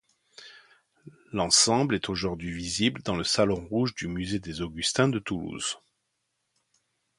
L’ensemble est aujourd’hui visible dans le salon rouge du musée des Augustins de Toulouse.